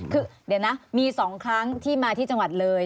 คือเดี๋ยวนะมี๒ครั้งที่มาที่จังหวัดเลย